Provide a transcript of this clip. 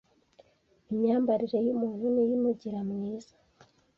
imyambarire yumuntu niyo imugira mwiza